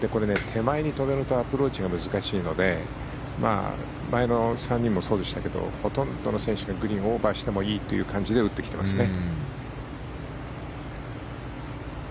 手前に止めるとアプローチが難しいので前の３人もそうでしたけどほとんどの選手がグリーンをオーバーしてもいいという感じで打ってきてますね。